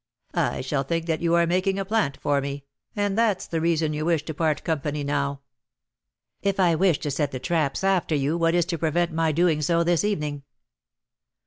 "I shall think that you are making 'a plant' for me, and that's the reason you wish to part company now." "If I wished to set the 'traps' after you, what is to prevent my doing so this evening?"